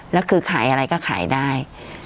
แล้วคือขายอะไรก็ขายได้